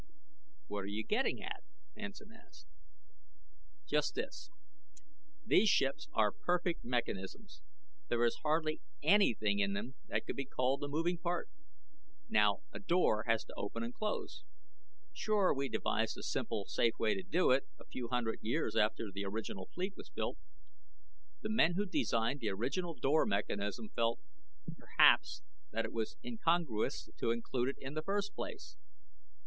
"What are you getting at?" Hansen asked. "Just this. These ships are perfect mechanisms. There is hardly anything in them that could be called a moving part. Now a door has to open and close. Sure, we devised a simple, safe way to do it a few hundred years after the original fleet was built. The men who designed the original door mechanism felt, perhaps, that it was incongruous to include it in the first place.